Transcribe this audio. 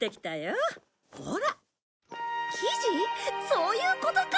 そういうことか！